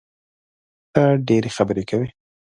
ته ډېري خبري کوې!